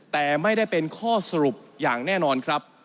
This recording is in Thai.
แต่ไม่ได้เป็นข้อสรุปอย่างแน่นอนครับ